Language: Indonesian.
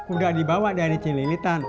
udah dibawa dari celilitan